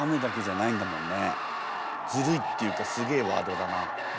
ずるいっていうかすげえワードだな。